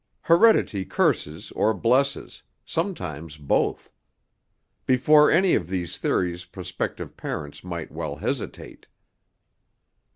Heredity curses or blesses, sometimes both. Before any of these theories prospective parents might well hesitate."